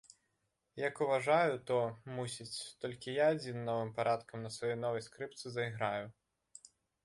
Як уважаю, то, мусіць, толькі я адзін новым парадкам на сваёй новай скрыпцы зайграю.